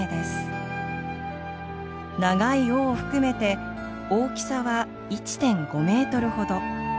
長い尾を含めて大きさは１．５メートルほど。